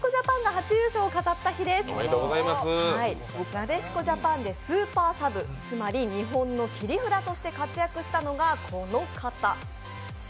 なでしこジャパンでスーパーサブ、つまり日本の切り札として活躍したのがこの方。